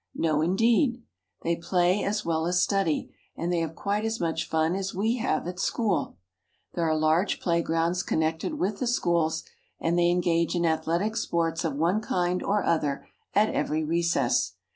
No, indeed. They play as well as study, and they have quite as much fun as we have at home. There are large playgrounds connected with the schools, and they engage in athletic sports of one kind or other at every recess.